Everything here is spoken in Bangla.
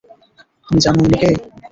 তুমি জানো ইনি কে?